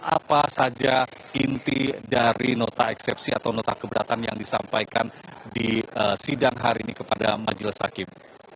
apa saja inti dari nota eksepsi atau nota keberatan yang disampaikan di sidang hari ini kepada majelis hakim